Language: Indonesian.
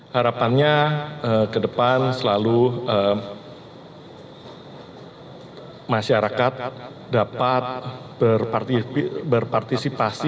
harapannya ke depan selalu masyarakat dapat berpartisipasi